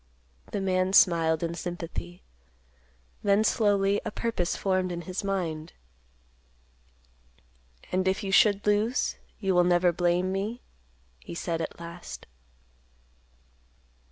The man smiled in sympathy. Then slowly a purpose formed in his mind. "And if you should lose, you will never blame me?" he said at last.